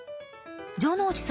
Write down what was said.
城之内さん